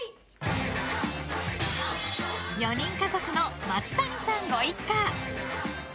４人家族の松谷さんご一家。